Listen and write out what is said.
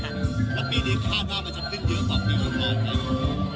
ปีนี้คาถ้ามันจะขึ้นเยอะค่ะ